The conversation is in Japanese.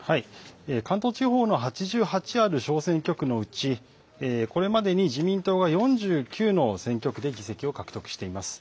関東地方の８８ある小選挙区のうちこれまでに自民党が４９の選挙区で議席を獲得しています。